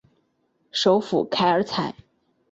首府凯尔采。